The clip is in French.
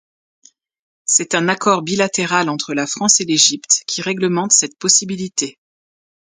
C'est un accord bilatéral entre la France et l’Égypte qui réglemente cette possibilité.